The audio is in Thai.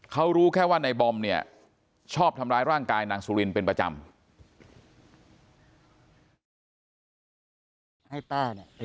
เขารู้แค่ว่าในบอมเนี่ยชอบทำร้ายร่างกายนางสุรินเป็นประจำ